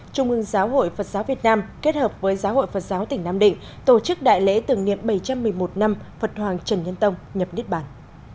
trung ương giáo hội phật giáo việt nam kết hợp với giáo hội phật giáo tỉnh nam định tổ chức đại lễ tưởng niệm bảy trăm một mươi một năm phật hoàng trần nhân tông nhập niết bản